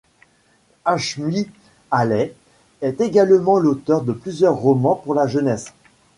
Achmy Halley est également l'auteur de plusieurs romans pour la jeunesse.